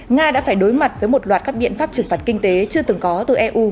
nga đã phải đối mặt với một loạt các biện pháp trừng phạt kinh tế chưa từng có từ eu